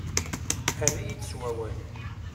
Err-iyi-d s wawal.